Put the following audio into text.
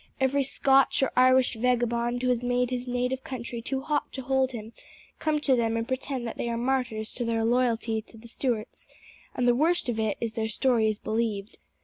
Every Scotch or Irish vagabond who has made his native country too hot to hold him, come to them and pretend that they are martyrs to their loyalty to the Stuarts; and the worst of it is their story is believed.